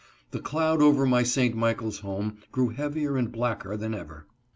The cloud over my St. Michaels home grew heavier and blacker than ever.